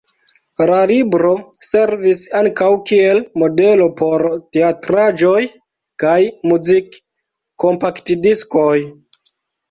La libro servis ankaŭ kiel modelo por teatraĵoj kaj muzik-kompaktdiskoj.